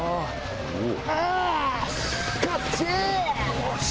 よし！